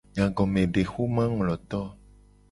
Nyagomedexomangloto.